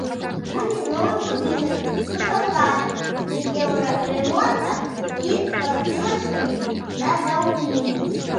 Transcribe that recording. Будзе новы будынак з фасадам, з еўрарэмонтам і спасылачкамі на даўніну.